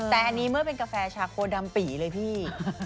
แต่อันนี้เมื่อเป็นกาแฟชาโคดำปี่เลยพี่